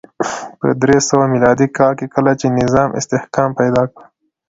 په درې سوه میلادي کال کې کله چې نظام استحکام پیدا کړ